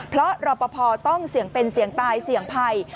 เพราะรอปภต้องเสี่ยงเป็นเสี่ยงตายเสี่ยงภัย